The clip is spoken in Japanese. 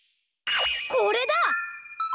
これだ！